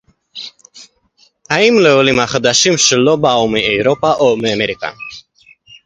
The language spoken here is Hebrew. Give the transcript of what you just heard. האם לעולים החדשים שלא באו מאירופה או מאמריקה